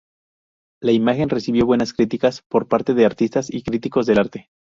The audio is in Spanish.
La imagen recibió buenas críticas por parte de artistas y críticos del arte.